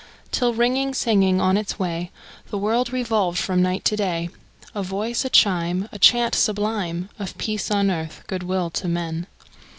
Till, ringing, singing on its way, The world revolved from night to day, A voice, a chime, A chant sublime Of peace on earth, good will to men!